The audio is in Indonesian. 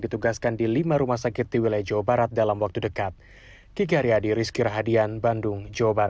ditugaskan di lima rumah sakit di wilayah jawa barat dalam waktu dekat kikari adi rizky rahadian bandung